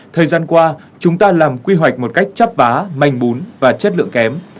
thời gian qua chúng ta làm quy hoạch một cách chấp vá manh bún và chất lượng kém